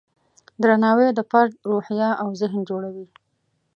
درناوی د فرد روحیه او ذهن جوړوي.